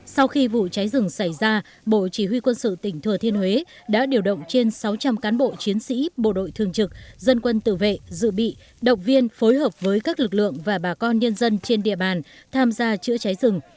sau khi vụ cháy rừng xảy ra bộ chỉ huy quân sự tỉnh thừa thiên huế đã điều động trên sáu trăm linh cán bộ chiến sĩ bộ đội thường trực dân quân tự vệ dự bị động viên phối hợp với các lực lượng và bà con nhân dân trên địa bàn tham gia chữa cháy rừng